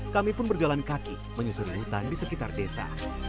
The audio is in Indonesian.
kami pun berjalan kaki menyusuri hutan di sekitar desa